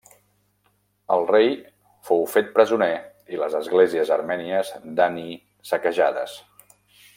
El rei fou fet presoner i les esglésies armènies d'Ani saquejades.